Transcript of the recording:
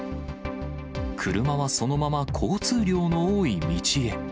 車はそのまま交通量の多い道へ。